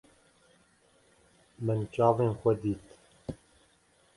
Min çavên xwe dît.